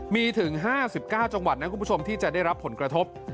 มีถึง๕๙จังหวัดที่จะได้รับผลกระทบ